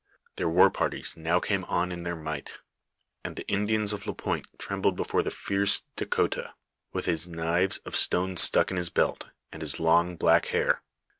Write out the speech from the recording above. Their war parties now came on in their might, and the Indians of Lapointe trembled before the fierce Dahcotah with his knives of stone stuck in his belt, and in his long, black hair.